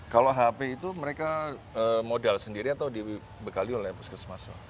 kalau hp itu mereka modal sendiri atau dibekali oleh puskesmas